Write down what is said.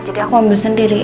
jadi aku ngambil sendiri